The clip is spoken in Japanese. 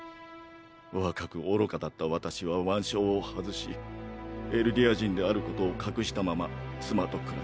若く愚かだった私は腕章を外しエルディア人であることを隠したまま妻と暮らし子を作った。